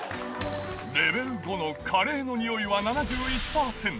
レベル５のカレーの匂いは７１％。